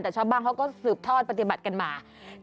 แต่ชาวบ้านเขาก็สืบทอดปฏิบัติกันมา